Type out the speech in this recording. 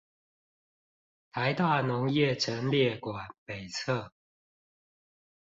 臺大農業陳列館北側